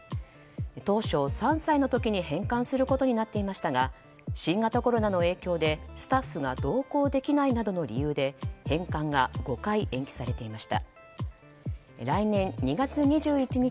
当初、３歳の時に返還することになっていましたが新型コロナの影響でスタッフが同行できないなどの理由で返還が５回延期されていました。